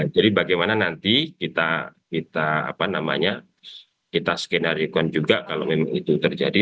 jadi bagaimana nanti kita skenarikan juga kalau memang itu terjadi